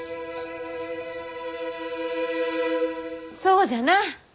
そうじゃな。